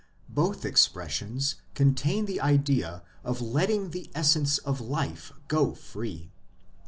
Both expres sions contain the idea of letting the essence of life go free.